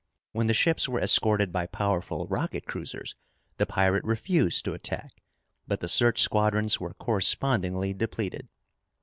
When the ships were escorted by powerful rocket cruisers, the pirate refused to attack, but the search squadrons were correspondingly depleted.